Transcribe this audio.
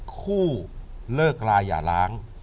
คู่เลิกรายหย่าร้าง